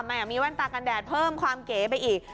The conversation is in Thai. มันมีแว่นตากันแดดเพิ่มความเก๋ไปอีก